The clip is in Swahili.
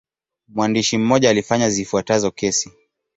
Mwandishi mmoja alifanya zifuatazo kesi.